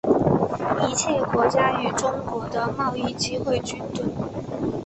一切国家与中国的贸易机会均等。